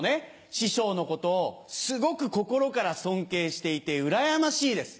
師匠のことをすごく心から尊敬していてうらやましいです。